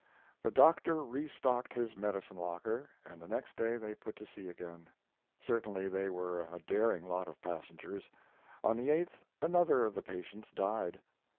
The doctor restocked his medicine locker, and the next day they put to sea again. Certainly they were a daring lot of voyagers. On the 8th another of the patients died.